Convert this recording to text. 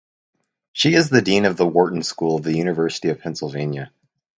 She is the dean of the Wharton School of the University of Pennsylvania.